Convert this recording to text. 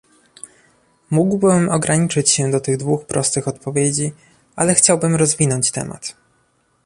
Mógłbym ograniczyć się do tych dwóch prostych odpowiedzi, ale chciałbym rozwinąć temat